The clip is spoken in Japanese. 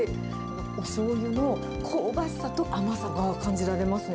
おしょうゆの香ばしさと、甘さが感じられますね。